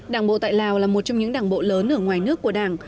đảng bộ tại lào là một trong những đảng bộ lớn ở ngoài nước của đảng